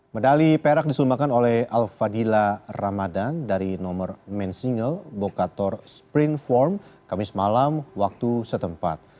medali perak disumbangkan oleh al fadila ramadan dari nomor main single bokator sprint form kamis malam waktu setempat